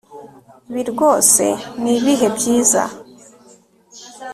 Ibi rwose ni ibihe byiza